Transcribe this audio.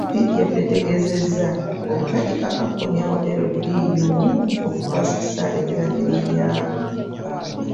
UPDF ekambuwadde, bwetegeezezza obutagikaka kukomyawo LDU okukwasisa ebiragiro bya Omukambwe